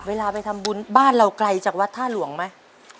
เวลาไปทำบุญบ้านเราไกลจากวัดท่าหลวงไหม